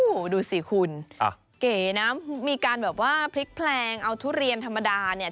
โอ้โหดูสิคุณเก๋นะมีการแบบว่าพลิกแพลงเอาทุเรียนธรรมดาเนี่ย